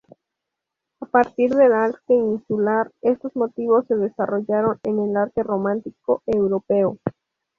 A partir del arte insular, estos motivos se desarrollaron en el arte románico europeo.